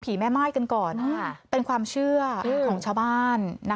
แม่ม่ายกันก่อนเป็นความเชื่อของชาวบ้าน